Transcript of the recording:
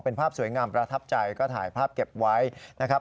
เป็นภาพสวยงามประทับใจก็ถ่ายภาพเก็บไว้นะครับ